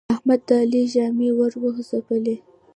احمد د علي ژامې ور وځبلې.